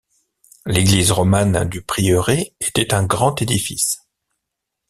L'église romane du prieuré était un grand édifice.